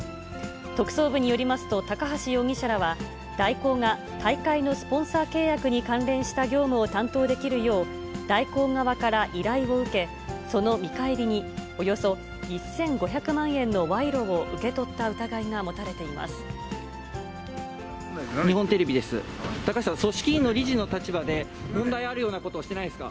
特捜部によりますと、高橋容疑者らは、大広が、大会のスポンサー契約に関連した業務を担当できるよう、大広側から依頼を受け、その見返りに、およそ１５００万円の賄賂を受け取った疑いが持た日本テレビです。